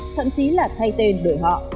thậm chí là thay tên đổi họ